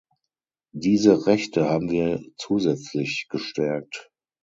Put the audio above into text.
Diese Rechte haben wir zusätzlich gestärkt.